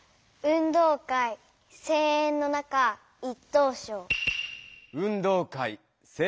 「運動会声援の中一等賞」。